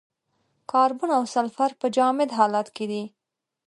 کاربن او سلفر په جامد حالت کې دي.